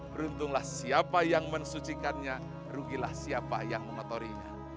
beruntunglah siapa yang mensucikannya rugilah siapa yang mengotorinya